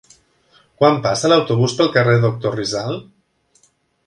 Quan passa l'autobús pel carrer Doctor Rizal?